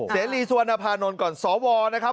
เสรีสุวรรณภานนท์ก่อนสวนะครับ